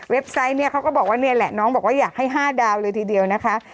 ไซต์เนี่ยเขาก็บอกว่านี่แหละน้องบอกว่าอยากให้๕ดาวเลยทีเดียวนะคะ